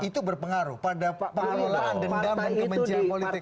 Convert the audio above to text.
itu berpengaruh pada pengelolaan dendam dan kebencian politik